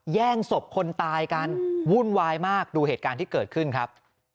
แย่งศพคนตายกันวุ่นวายมากดูเหตุการณ์ที่เกิดขึ้นครับ